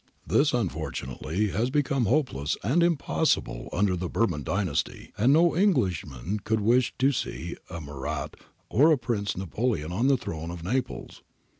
This unfortunately has become hopeless and impossible under the Bourbon Dynasty, and no Englishman could wish to see a Murat or a Prince Napoleon on the Throne of Naples.